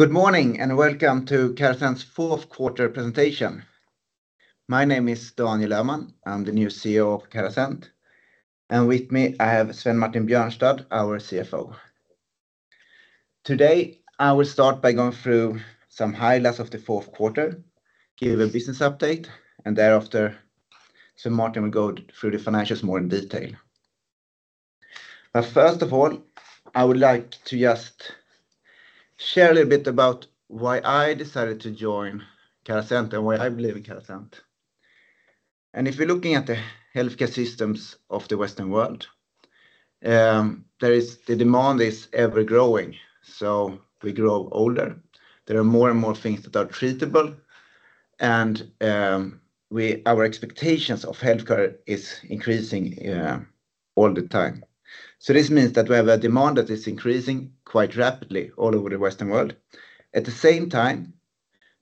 Good morning, and welcome to Carasent's Q4 presentation. My name is Daniel Öhman. I'm the new CEO of Carasent, and with me, I have Svein Martin Bjørnstad, our CFO. Today, I will start by going through some highlights of the Q4, give a business update, and thereafter, Svein Martin will go through the financials more in detail. First of all, I would like to just share a little bit about why I decided to join Carasent and why I believe in Carasent. If you're looking at the healthcare systems of the Western world, the demand is ever-growing. We grow older. There are more and more things that are treatable, and our expectations of healthcare is increasing all the time. This means that we have a demand that is increasing quite rapidly all over the Western world. At the same time,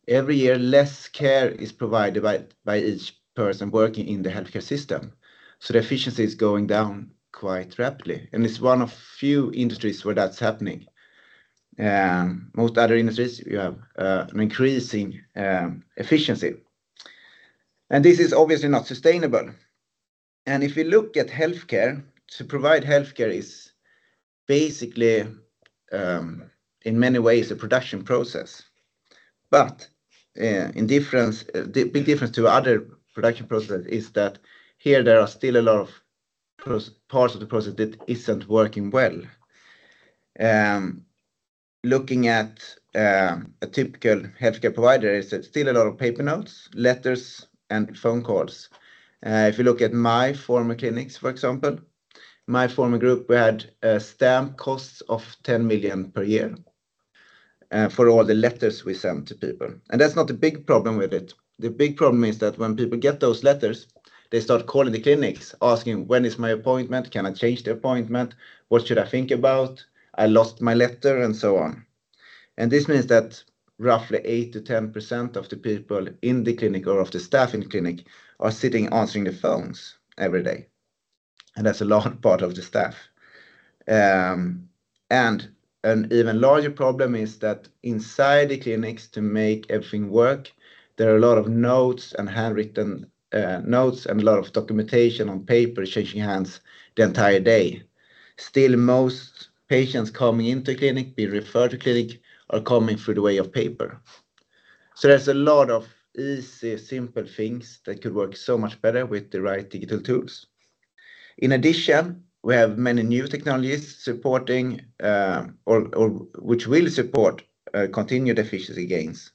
every year, less care is provided by each person working in the healthcare system, so the efficiency is going down quite rapidly, and it's one of few industries where that's happening. Most other industries, you have an increasing efficiency, this is obviously not sustainable. If you look at healthcare, to provide healthcare is basically in many ways a production process. A big difference to other production process is that here there are still a lot of parts of the process that isn't working well. Looking at a typical healthcare provider, there's still a lot of paper notes, letters, and phone calls. If you look at my former clinics, for example, my former group, we had stamp costs of 10 million per year for all the letters we sent to people, and that's not the big problem with it. The big problem is that when people get those letters, they start calling the clinics asking, "When is my appointment? Can I change the appointment? What should I think about? I lost my letter," and so on. This means that roughly 8%-10% of the people in the clinic or of the staff in the clinic are sitting answering the phones every day, and that's a large part of the staff. An even larger problem is that inside the clinics to make everything work, there are a lot of notes and handwritten notes and a lot of documentation on paper changing hands the entire day. Most patients coming into clinic, be referred to clinic, are coming through the way of paper. There's a lot of easy, simple things that could work so much better with the right digital tools. In addition, we have many new technologies supporting or which will support continued efficiency gains,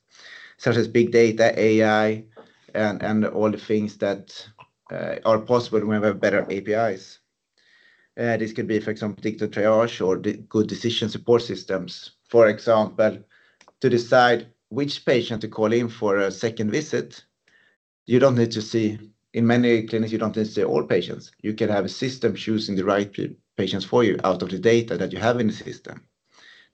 such as big data, AI, and all the things that are possible when we have better APIs. This could be, for example, predicted triage or good decision support systems. For example, to decide which patient to call in for a second visit, you don't need to see... In many clinics, you don't need to see all patients. You can have a system choosing the right patients for you out of the data that you have in the system.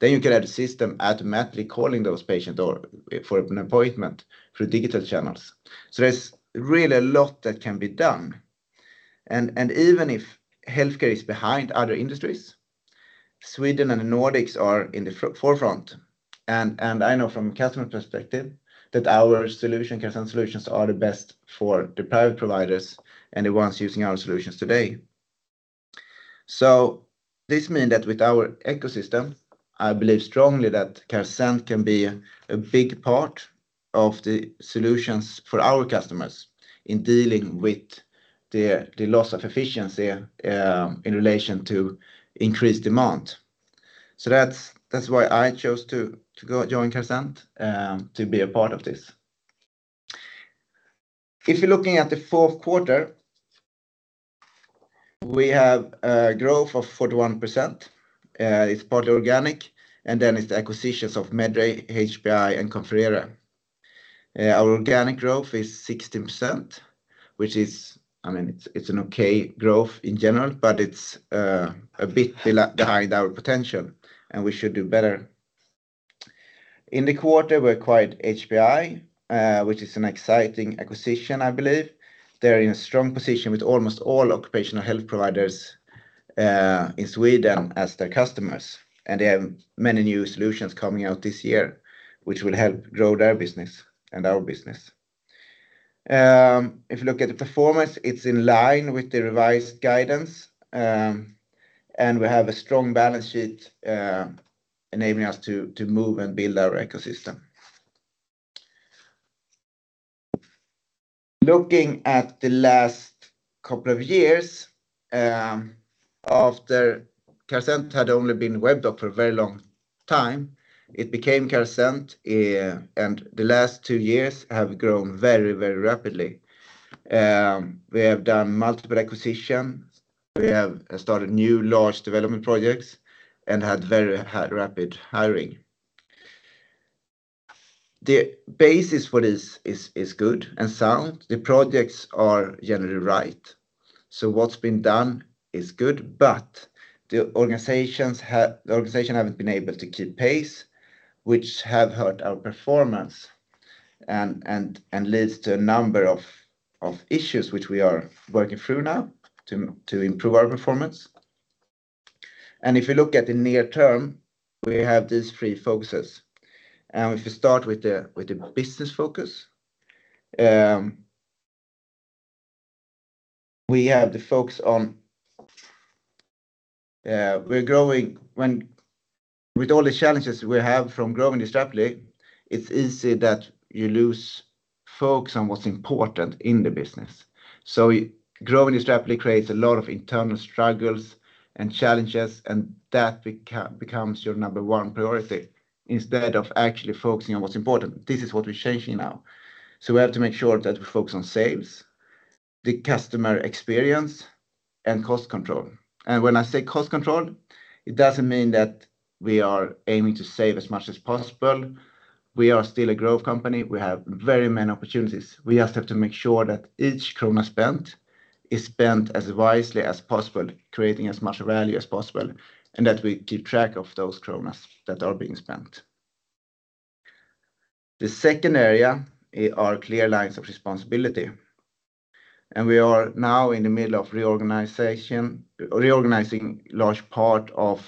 You can have a system automatically calling those patients or for an appointment through digital channels. There's really a lot that can be done. Even if healthcare is behind other industries, Sweden and the Nordics are in the forefront. I know from customer perspective that our solution, Carasent solutions are the best for the private providers and the ones using our solutions today. This mean that with our ecosystem, I believe strongly that Carasent can be a big part of the solutions for our customers in dealing with the loss of efficiency in relation to increased demand. That's why I chose to go join Carasent to be a part of this. If you're looking at the Q4, we have a growth of 41%. It's partly organic, and then it's the acquisitions of Medrave, HPI, and Confrere. Our organic growth is 16%, which is. I mean, it's an okay growth in general, but it's a bit behind our potential, and we should do better. In the quarter, we acquired HPI, which is an exciting acquisition, I believe. They're in a strong position with almost all occupational health providers in Sweden as their customers, and they have many new solutions coming out this year which will help grow their business and our business. If you look at the performance, it's in line with the revised guidance, we have a strong balance sheet, enabling us to move and build our ecosystem. Looking at the last couple of years, after Carasent had only been Webdoc for a very long time, it became Carasent, the last two years have grown very, very rapidly. We have done multiple acquisitions. We have started new large development projects and had very rapid hiring. The basis for this is good and sound. The projects are generally right. What's been done is good, but the organization haven't been able to keep pace, which have hurt our performance and leads to a number of issues which we are working through now to improve our performance. If you look at the near term, we have these three focuses. If you start with the business focus, we have the focus on, we're growing with all the challenges we have from growing this rapidly, it's easy that you lose focus on what's important in the business. Growing this rapidly creates a lot of internal struggles and challenges, and that becomes your number one priority instead of actually focusing on what's important. This is what we're changing now. We have to make sure that we focus on sales, the customer experience, and cost control. When I say cost control, it doesn't mean that we are aiming to save as much as possible. We are still a growth company. We have very many opportunities. We just have to make sure that each krona spent is spent as wisely as possible, creating as much value as possible, and that we keep track of those kronas that are being spent. The second area are clear lines of responsibility. We are now in the middle of reorganizing large part of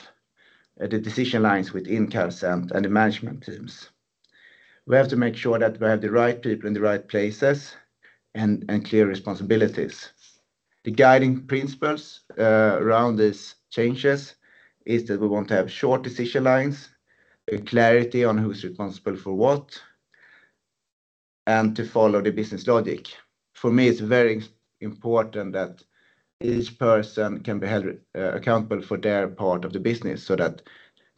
the decision lines within Carasent and the management teams. We have to make sure that we have the right people in the right places and clear responsibilities. The guiding principles around these changes is that we want to have short decision lines, a clarity on who's responsible for what, and to follow the business logic. For me, it's very important that each person can be held accountable for their part of the business so that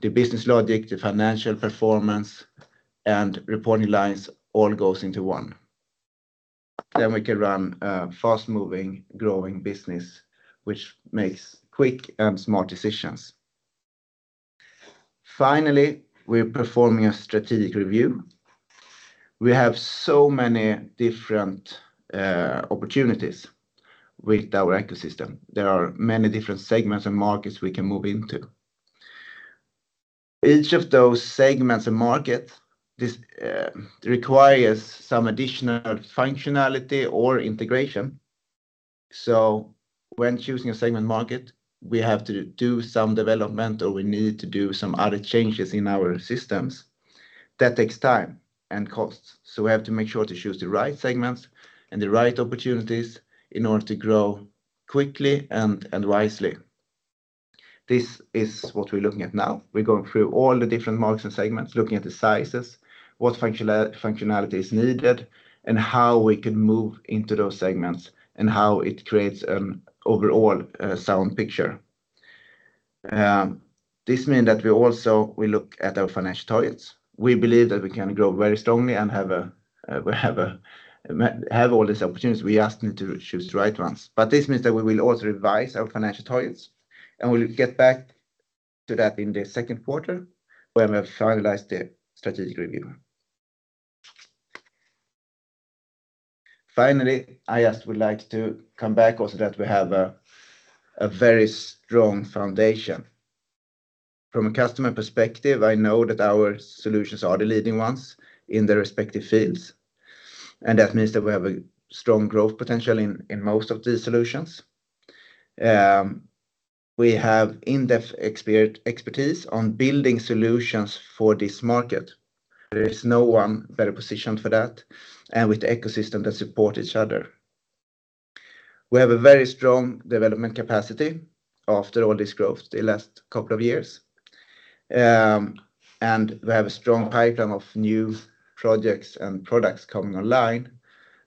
the business logic, the financial performance, and reporting lines all goes into one. We can run a fast-moving, growing business which makes quick and smart decisions. Finally, we're performing a strategic review. We have so many different opportunities with our ecosystem. There are many different segments and markets we can move into. Each of those segments and markets, this requires some additional functionality or integration. When choosing a segment market, we have to do some development or we need to do some other changes in our systems. That takes time and costs. We have to make sure to choose the right segments and the right opportunities in order to grow quickly and wisely. This is what we're looking at now. We're going through all the different markets and segments, looking at the sizes, what functionality is needed, and how we can move into those segments, and how it creates an overall sound picture. This mean that we also look at our financial targets. We believe that we can grow very strongly and have a we have all these opportunities. We just need to choose the right ones. This means that we will also revise our financial targets, and we'll get back to that in the Q2 when we have finalized the strategic review. Finally, I just would like to come back also that we have a very strong foundation. From a customer perspective, I know that our solutions are the leading ones in their respective fields, and that means that we have a strong growth potential in most of these solutions. We have in-depth expertise on building solutions for this market. There is no one better positioned for that and with the ecosystem that support each other. We have a very strong development capacity after all this growth the last couple of years. We have a strong pipeline of new projects and products coming online.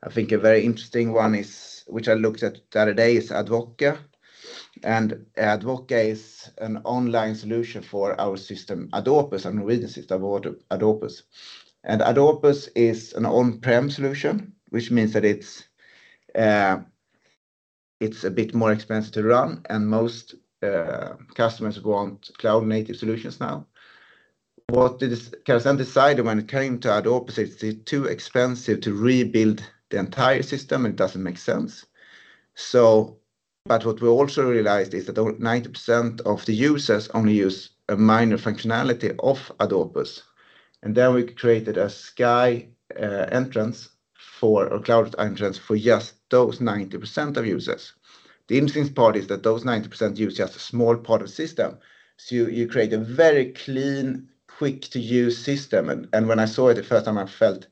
I think a very interesting one is, which I looked at the other day, is Ad Voca. Ad Voca is an online solution for our system, Ad Opus, our new system of Ad Opus. Ad Opus is an on-prem solution, which means that it's a bit more expensive to run, and most customers want cloud-native solutions now. What did Carasent decide when it came to Ad Opus, it's too expensive to rebuild the entire system. It doesn't make sense. What we also realized is that over 90% of the users only use a minor functionality of Ad Opus. We created a sky entrance for, or cloud entrance for just those 90% of users. The interesting part is that those 90% use just a small part of the system. You create a very clean, quick-to-use system. When I saw it the first time, I felt,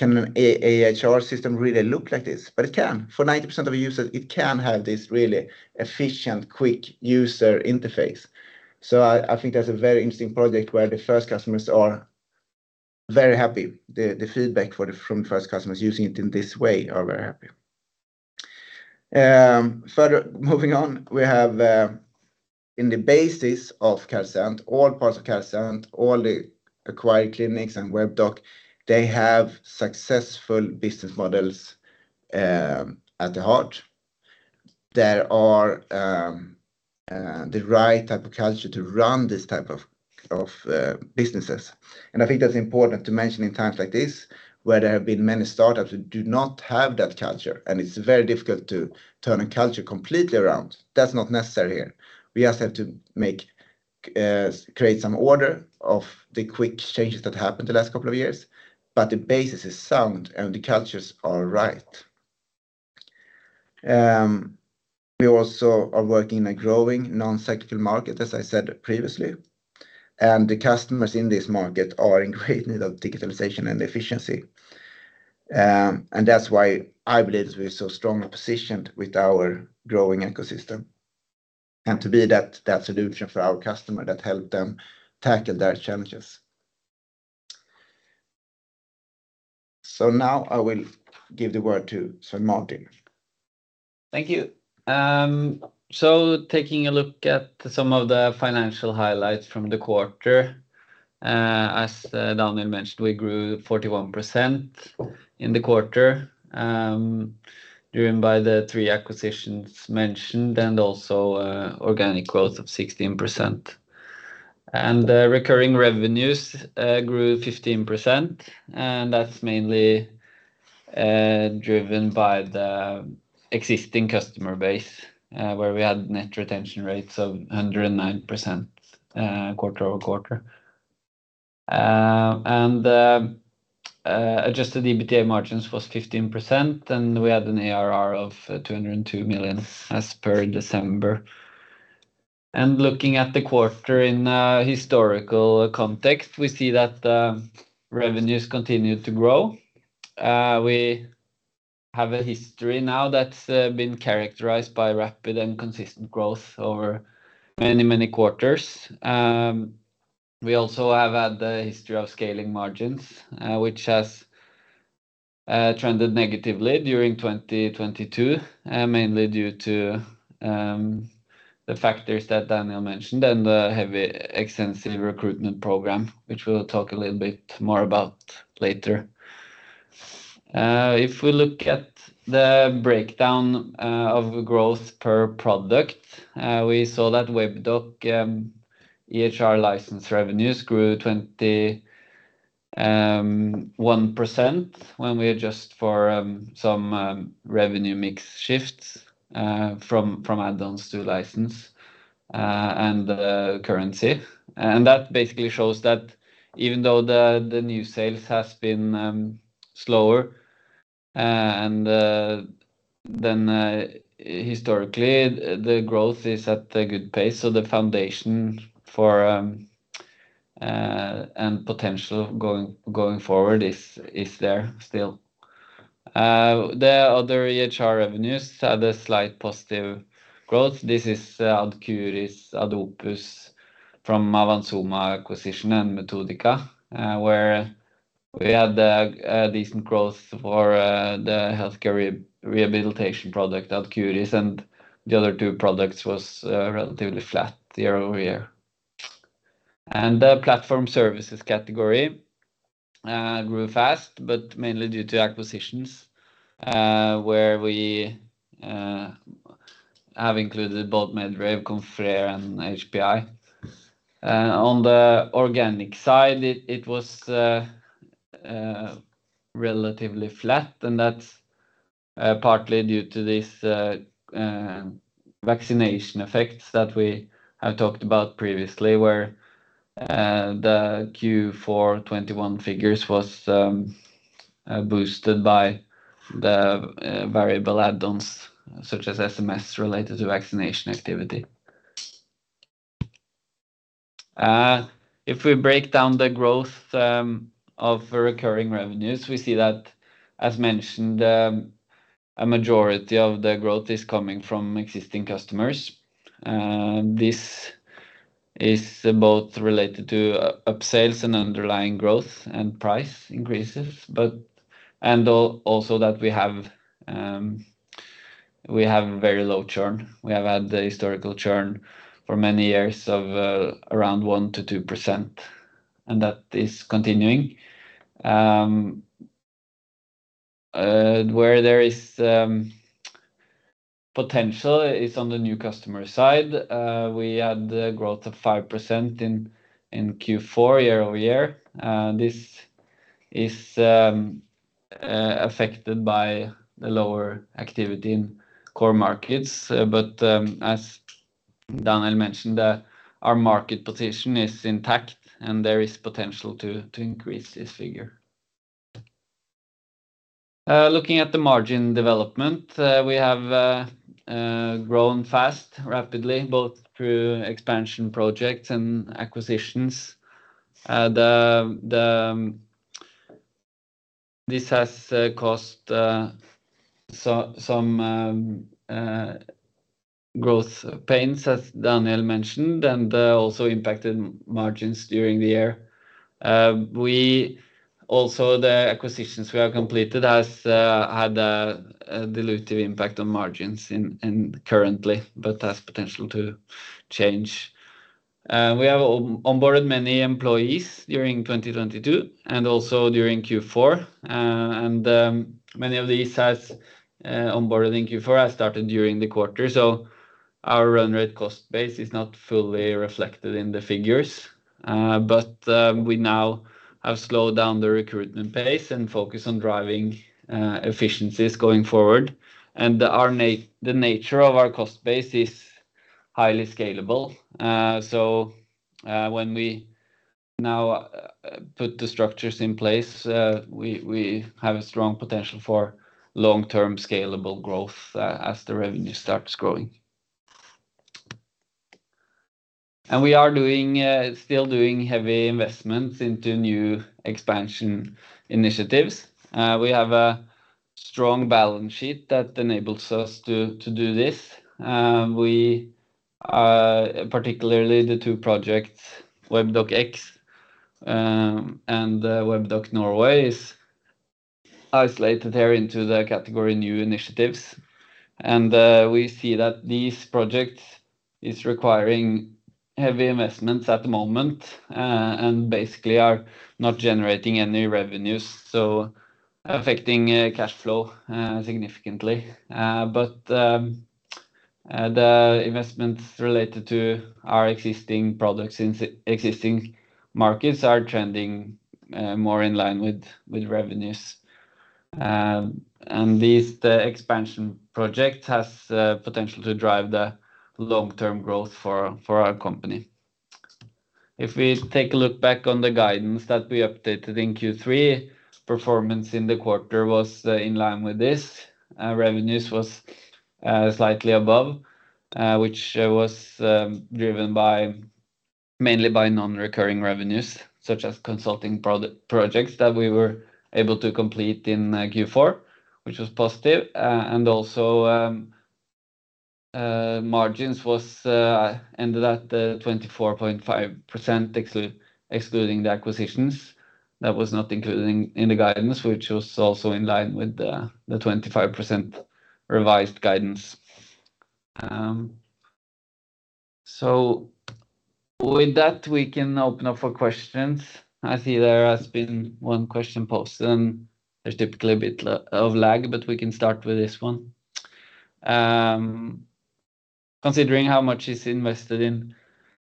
can an EHR system really look like this? It can. For 90% of users, it can have this really efficient, quick user interface. I think that's a very interesting project where the first customers are very happy. The feedback from the first customers using it in this way are very happy. Further, moving on, we have in the basis of Carasent, all parts of Carasent, all the acquired clinics and Webdoc, they have successful business models at the heart. There are the right type of culture to run this type of businesses. I think that's important to mention in times like this, where there have been many startups who do not have that culture, and it's very difficult to turn a culture completely around. That's not necessary here. We just have to make create some order of the quick changes that happened the last couple of years. The basis is sound, and the cultures are right. We also are working in a growing non-cyclical market, as I said previously, and the customers in this market are in great need of digitalization and efficiency. That's why I believe we're so strongly positioned with our growing ecosystem and to be that solution for our customer that help them tackle their challenges. Now I will give the word to Sven Martin. Thank you. Taking a look at some of the financial highlights from the quarter, as Daniel mentioned, we grew 41% in the quarter, driven by the 3 acquisitions mentioned and also organic growth of 16%. The recurring revenues grew 15%, that's mainly driven by the existing customer base, where we had net retention rates of 109% quarter-over-quarter. Adjusted EBITDA margins was 15%, we had an ARR of 202 million as per December. Looking at the quarter in historical context, we see that revenues continued to grow. We have a history now that's been characterized by rapid and consistent growth over many quarters. We also have had a history of scaling margins, which has trended negatively during 2022, mainly due to the factors that Daniel mentioned and the heavy extensive recruitment program, which we'll talk a little bit more about later. If we look at the breakdown of growth per product, we saw that Webdoc EHR license revenues grew 21% when we adjust for some revenue mix shifts from add-ons to license and currency. That basically shows that even though the new sales has been slower and than historically, the growth is at a good pace. The foundation for and potential going forward is there still. The other EHR revenues had a slight positive growth. This is Ad Curis, Ad Opus from Avans Soma acquisition and Metodika, where we had a decent growth for the healthcare rehabilitation product, Ad Curis, and the other two products was relatively flat year-over-year. The platform services category grew fast, but mainly due to acquisitions, where we have included both Medrave, Confrere and HPI. On the organic side, it was relatively flat, and that's partly due to this vaccination effects that we have talked about previously, where the Q4 2021 figures was boosted by the variable add-ons such as SMS related to vaccination activity. If we break down the growth of recurring revenues, we see that, as mentioned, a majority of the growth is coming from existing customers. This is both related to upsales and underlying growth and price increases. Also that we have very low churn. We have had the historical churn for many years of around 1%-2%, and that is continuing. Where there is potential is on the new customer side. We had the growth of 5% in Q4 year-over-year. This is affected by the lower activity in core markets. As Daniel mentioned, our market position is intact, and there is potential to increase this figure. Looking at the margin development, we have grown fast, rapidly, both through expansion projects and acquisitions. This has caused some growth pains, as Daniel mentioned, and also impacted margins during the year. Also the acquisitions we have completed has had a dilutive impact on margins currently, but has potential to change. We have onboarded many employees during 2022 and also during Q4. Many of these has onboarded in Q4 has started during the quarter. Our run rate cost base is not fully reflected in the figures. We now have slowed down the recruitment pace and focus on driving efficiencies going forward. The nature of our cost base is highly scalable. When we now put the structures in place, we have a strong potential for long-term scalable growth as the revenue starts growing. We are doing still doing heavy investments into new expansion initiatives. We have a strong balance sheet that enables us to do this. Particularly the two projects, Webdoc X and Webdoc Norway is isolated there into the category new initiatives. We see that these projects is requiring heavy investments at the moment and basically are not generating any revenues, so affecting cash flow significantly. The investments related to our existing products in existing markets are trending more in line with revenues. These, the expansion project has potential to drive the long-term growth for our company. We take a look back on the guidance that we updated in Q3, performance in the quarter was in line with this. Revenues was slightly above, which was mainly by non-recurring revenues, such as consulting projects that we were able to complete in Q4, which was positive. And also, margins was ended at 24.5% excluding the acquisitions. That was not included in the guidance, which was also in line with the 25% revised guidance. With that, we can open up for questions. I see there has been one question posted, there's typically a bit of lag, we can start with this one. Considering how much is invested in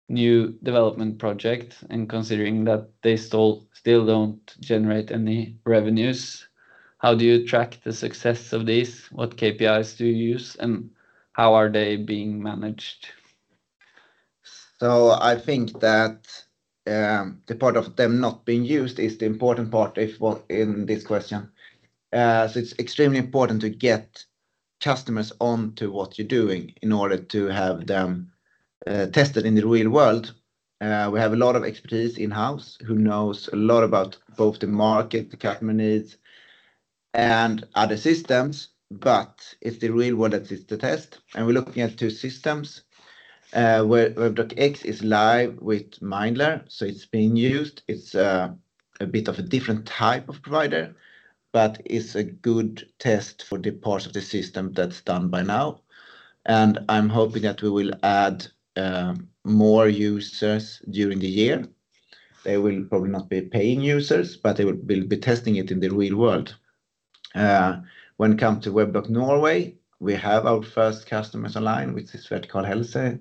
new development projects and considering that they still don't generate any revenues, how do you track the success of this? What KPIs do you use, and how are they being managed? I think that the part of them not being used is the important part in this question. It's extremely important to get customers onto what you're doing in order to have them tested in the real world. We have a lot of expertise in-house who knows a lot about both the market, the customer needs, and other systems, but it's the real world that is the test, and we're looking at two systems. Webdoc X is live with Mindler, so it's being used. It's a bit of a different type of provider, but it's a good test for the parts of the system that's done by now. I'm hoping that we will add more users during the year. They will probably not be paying users, but they will be testing it in the real world. When it comes to Webdoc Norway, we have our first customers online, which is Vertikal Helse,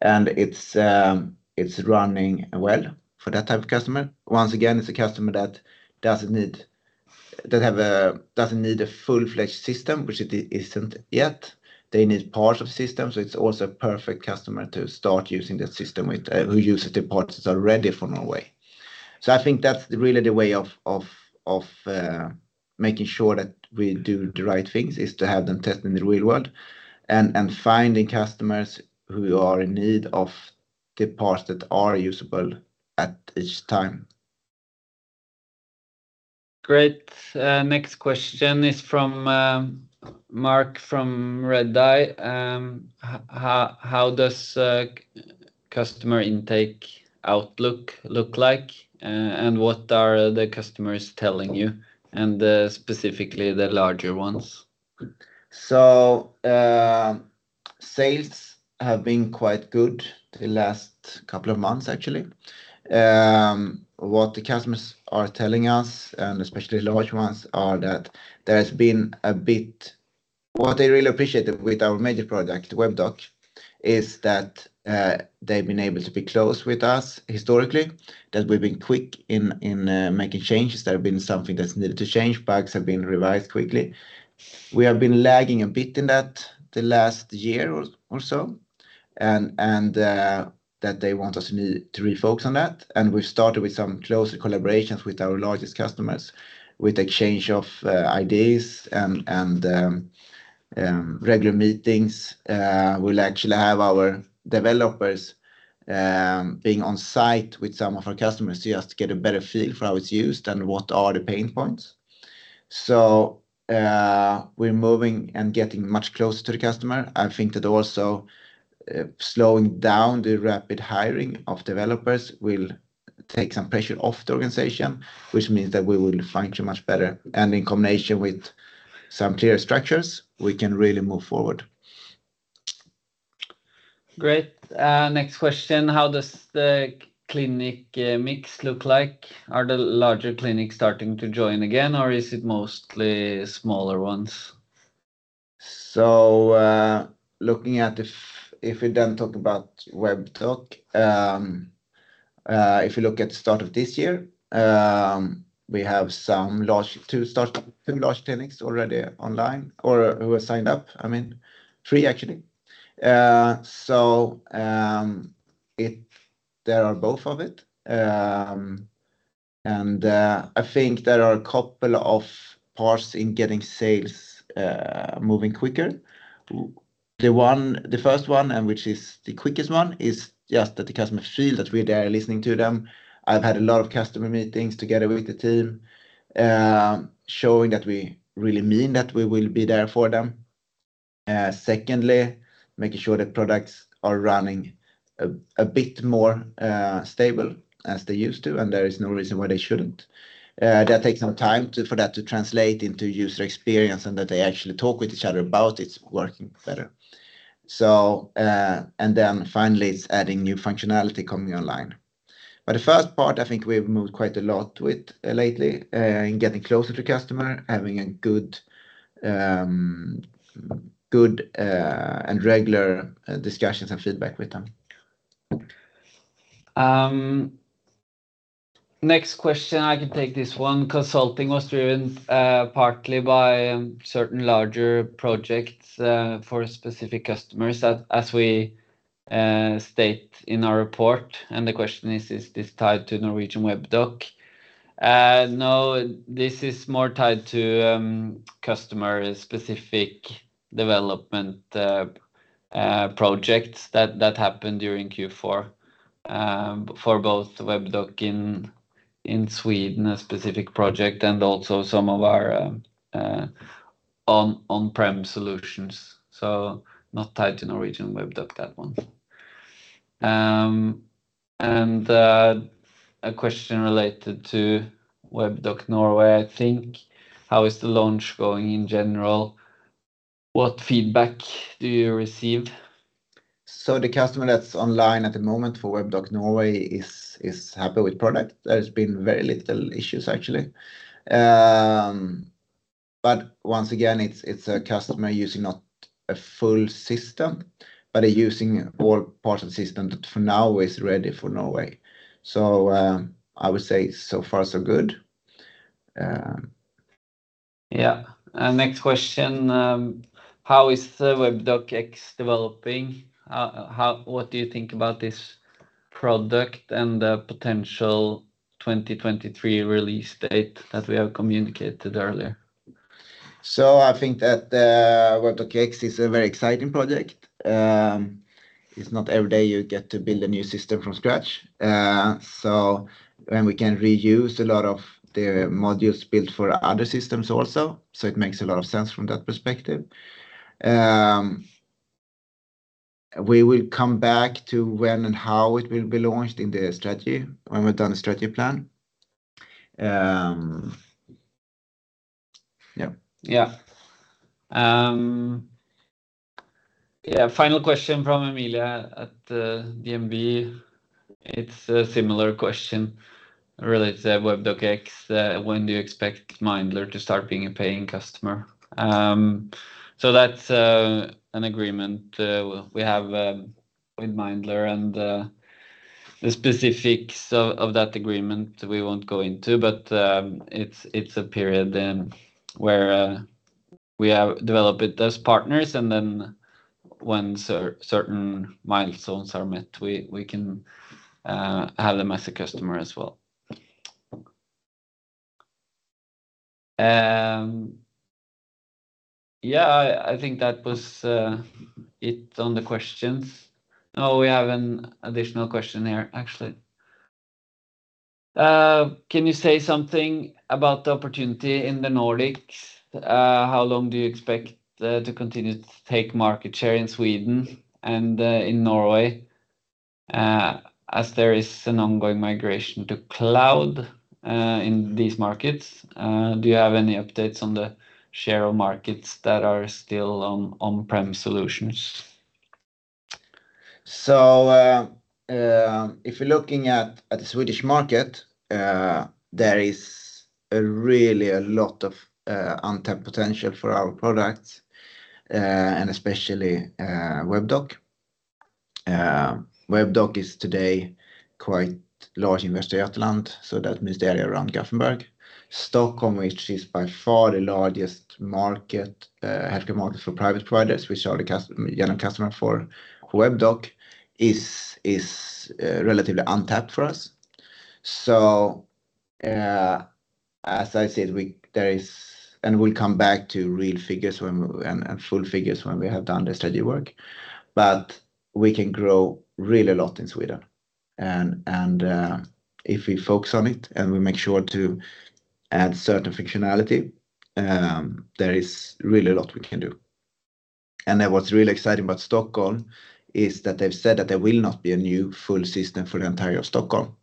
and it's running well for that type of customer. Once again, it's a customer that doesn't need a full-fledged system, which it isn't yet. They need parts of system, so it's also a perfect customer to start using the system with, who uses the parts that are ready for Norway. I think that's really the way of making sure that we do the right things, is to have them test in the real world and finding customers who are in need of the parts that are usable at each time. Great. Next question is from Mark from Redeye. How does customer intake outlook look like? What are the customers telling you, and specifically the larger ones? Sales have been quite good the last couple of months, actually. What the customers are telling us, and especially large ones, are that what they really appreciated with our major product, Webdoc, is that they've been able to be close with us historically, that we've been quick in making changes. There have been something that's needed to change. Bugs have been revised quickly. We have been lagging a bit in that the last year or so, and that they want us to refocus on that. We've started with some closer collaborations with our largest customers with exchange of ideas and regular meetings. We'll actually have our developers being on site with some of our customers just to get a better feel for how it's used and what are the pain points. We're moving and getting much closer to the customer. I think that also slowing down the rapid hiring of developers will take some pressure off the organization, which means that we will function much better. In combination with some clear structures, we can really move forward. Great. Next question. How does the clinic mix look like? Are the larger clinics starting to join again, or is it mostly smaller ones? Looking at if we then talk about Webdoc, if you look at the start of this year, We have some large two large clinics already online or who have signed up, I mean, three actually. There are both of it. I think there are a couple of parts in getting sales moving quicker. The one, the first one, and which is the quickest one, is just that the customers feel that we're there listening to them. I've had a lot of customer meetings together with the team, showing that we really mean that we will be there for them. Secondly, making sure that products are running a bit more stable as they used to, and there is no reason why they shouldn't. That takes some time to, for that to translate into user experience and that they actually talk with each other about it working better. Finally, it's adding new functionality coming online. The first part, I think we've moved quite a lot with lately, in getting closer to customer, having a good, and regular discussions and feedback with them. Next question, I can take this one. Consulting was driven partly by certain larger projects for specific customers as we state in our report. The question is: Is this tied to Norwegian Webdoc? No, this is more tied to customer-specific development projects that happened during Q4 for both Webdoc in Sweden, a specific project, and also some of our on-prem solutions. Not tied to Norwegian Webdoc, that one. A question related to Webdoc Norway, I think. How is the launch going in general? What feedback do you receive? The customer that's online at the moment for Webdoc Norway is happy with product. There's been very little issues actually. Once again, it's a customer using not a full system, but they're using all parts of the system that for now is ready for Norway. I would say so far so good. Yeah. next question, how is the Webdoc X developing? What do you think about this product and the potential 2023 release date that we have communicated earlier? I think that Webdoc X is a very exciting project. It's not every day you get to build a new system from scratch. When we can reuse a lot of the modules built for other systems also, so it makes a lot of sense from that perspective. We will come back to when and how it will be launched in the strategy when we're done the strategy plan. Yeah. Yeah. Final question from Emilia Gylfe at DNB. It's a similar question related to Webdoc X. When do you expect Mindler to start being a paying customer? That's an agreement we have with Mindler and the specifics of that agreement we won't go into, but it's a period then where we have developed it as partners, and then when certain milestones are met, we can have them as a customer as well. I think that was it on the questions. We have an additional question here, actually. Can you say something about the opportunity in the Nordics? How long do you expect to continue to take market share in Sweden and in Norway, as there is an ongoing migration to cloud in these markets? Do you have any updates on the share of markets that are still on on-prem solutions? If you're looking at the Swedish market, there is really a lot of untapped potential for our products, and especially Webdoc. Webdoc is today quite large in Västergötland, so that means the area around Gothenburg. Stockholm, which is by far the largest market, healthcare market for private providers, which are the only customer for Webdoc, is relatively untapped for us. As I said, we'll come back to real figures when and full figures when we have done the study work. We can grow really a lot in Sweden and if we focus on it and we make sure to add certain functionality, there is really a lot we can do. What's really exciting about Stockholm is that they've said that there will not be a new full system for the entire Stockholm.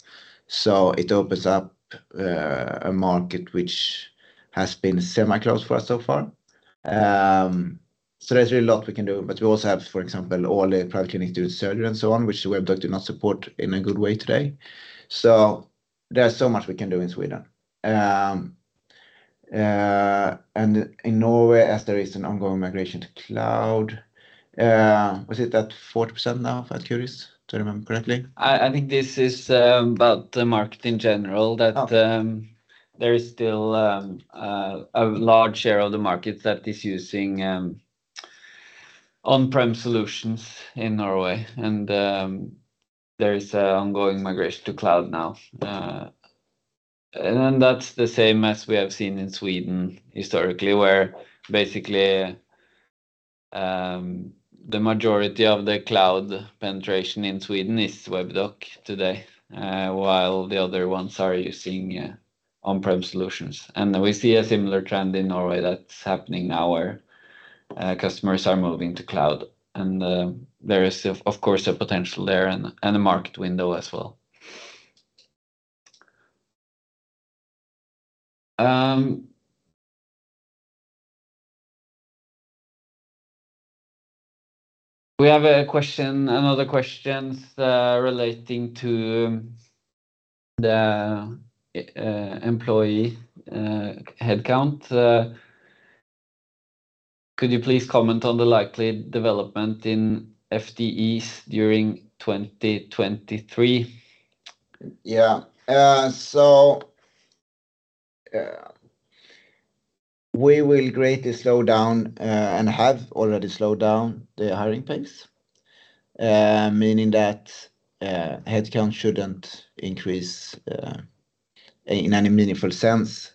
It opens up a market which has been semi-closed for us so far. There's really a lot we can do. We also have, for example, all the private clinics do surgery and so on, which Webdoc do not support in a good way today. There's so much we can do in Sweden. In Norway, as there is an ongoing migration to cloud, was it at 40% now? If I'm curious to remember correctly. I think this is about the market in general. Oh There is still a large share of the market that is using on-prem solutions in Norway and there is an ongoing migration to cloud now. That's the same as we have seen in Sweden historically, where basically the majority of the cloud penetration in Sweden is Webdoc today, while the other ones are using on-prem solutions. We see a similar trend in Norway that's happening now where customers are moving to cloud. There is of course a potential there and a market window as well. We have a question, another questions, relating to the employee headcount. Could you please comment on the likely development in FTEs during 2023? Yeah. We will greatly slow down and have already slowed down the hiring pace, meaning that headcount shouldn't increase in any meaningful sense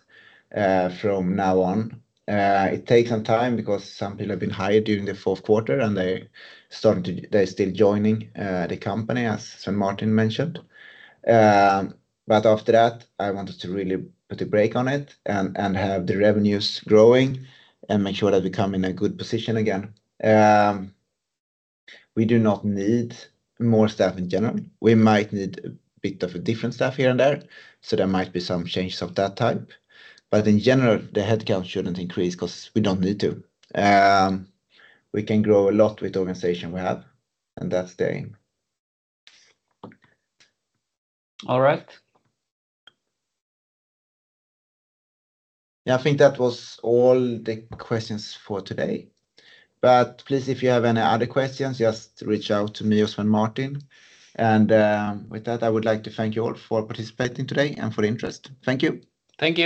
from now on. It takes some time because some people have been hired during the Q4 and they're still joining the company, as Svein Martin mentioned. After that, I wanted to really put a break on it and have the revenues growing and make sure that we come in a good position again. We do not need more staff in general. We might need a bit of a different staff here and there, so there might be some changes of that type. In general, the headcount shouldn't increase 'cause we don't need to. We can grow a lot with the organization we have, and that's the aim. All right. Yeah, I think that was all the questions for today. Please, if you have any other questions, just reach out to me or Svein Martin. With that, I would like to thank you all for participating today and for the interest. Thank you. Thank you.